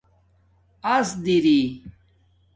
اَس درئ